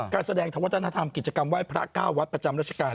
การแสดงธวัฒนธรรมกิจกรรมไหว้พระ๙วัดประจำรัชกาล